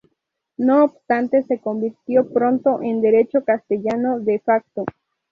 No obstante se convirtió pronto en derecho castellano "de facto".